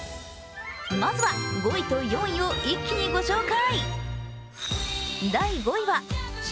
まずは５位と４位を一気にご紹介。